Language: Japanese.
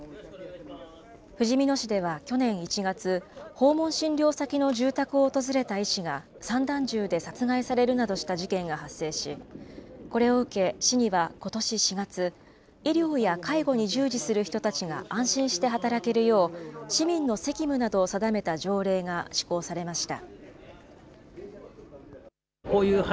ふじみ野市では去年１月、訪問診療先の住宅を訪れた医師が散弾銃で殺害されるなどした事件が発生し、これを受け、市にはことし４月、医療や介護に従事する人たちが安心して働けるよう、市民の責務などを定めた条例が施行されました。